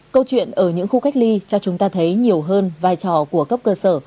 câu chuyện ở những khu cách ly cho chúng ta thấy nhiều hơn vai trò của cấp cơ sở